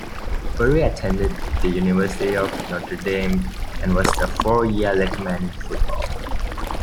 Berry attended the University of Notre Dame and was a four-year letterman in football.